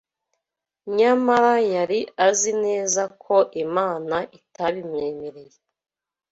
nyamara yari azi neza ko Imana itabimwemereye